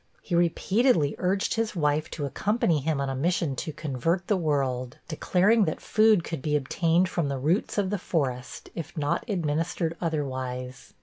He repeatedly urged his wife to accompany him on a mission to convert the world, declaring that food could be obtained from the roots of the forest, if not administered otherwise.